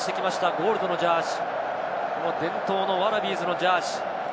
ゴールドのジャージー、伝統のワラビーズのジャージー。